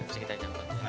sekitar jam empat